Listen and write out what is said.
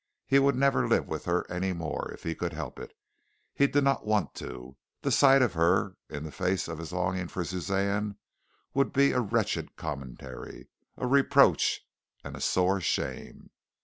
He would never live with her any more, if he could help it he did not want to. The sight of her in the face of his longing for Suzanne would be a wretched commentary a reproach and a sore shame.